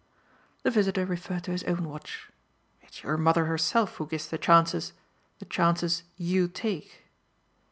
The visitor referred to his own watch. "It's your mother herself who gives the chances the chances YOU take."